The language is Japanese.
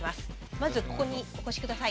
まずここにお越し下さい。